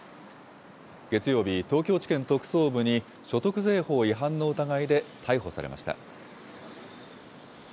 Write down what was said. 月曜日、東京地検特捜部に所得税法違反の疑いで逮捕されました。